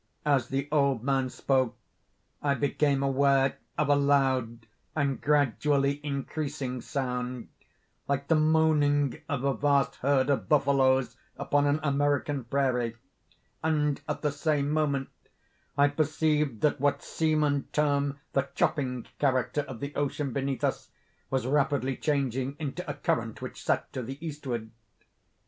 As the old man spoke, I became aware of a loud and gradually increasing sound, like the moaning of a vast herd of buffaloes upon an American prairie; and at the same moment I perceived that what seamen term the chopping character of the ocean beneath us, was rapidly changing into a current which set to the eastward.